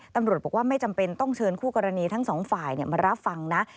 ตำรวจบอกว่าไม่จำเป็นต้องเชิญคู่กรณีทั้งสองฝ่ายมารับฟังนะ